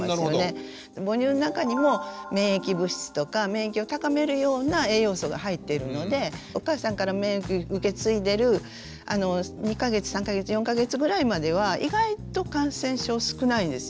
母乳の中にも免疫物質とか免疫を高めるような栄養素が入っているのでお母さんから免疫を受け継いでる２か月３か月４か月ぐらいまでは意外と感染症少ないですよね。